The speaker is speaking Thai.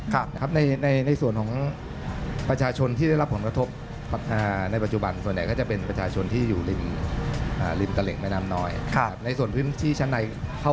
กลางมีการห้นกลางกลางกลางกลางตั้งสองฝั่ง